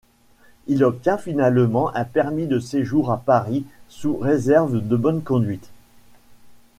Il obtient finalement un permis de séjour à Paris, sous réserve de bonne conduite.